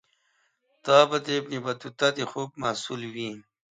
دا به د ابن بطوطه د خوب محصول وي.